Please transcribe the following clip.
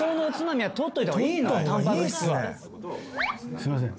すいません。